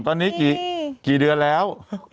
ตอนนี้กี่เดือนแล้ว